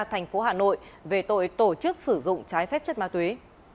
thành phố hà nội về tội tổ chức sử dụng trái phép chất ma túy